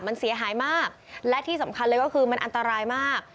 มันเสียหายมากและที่สำคัญเลยก็คือมันอันตรายมาก